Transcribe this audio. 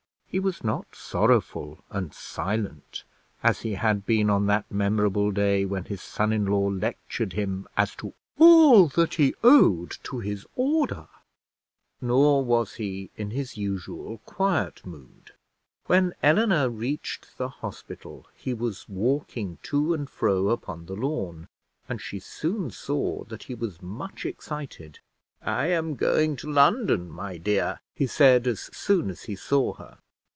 He was not sorrowful and silent as he had been on that memorable day when his son in law lectured him as to all that he owed to his order; nor was he in his usual quiet mood. When Eleanor reached the hospital, he was walking to and fro upon the lawn, and she soon saw that he was much excited. "I am going to London, my dear," he said as soon as he saw her.